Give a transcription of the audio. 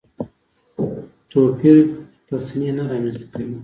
توپیر تصنع نه رامنځته کوي.